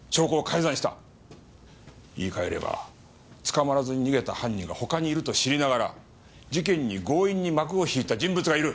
言い変えればつかまらずに逃げた犯人が他にいると知りながら事件に強引に幕を引いた人物がいる！